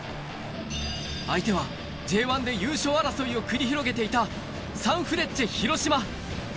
相手はＪ１で優勝争いを繰り広げていた、サンフレッチェ広島。